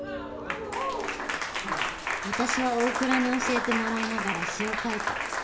私は大倉に教えてもらいながら詩を書いた。